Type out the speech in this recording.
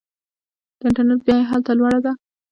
د انټرنیټ بیه هلته لوړه ده.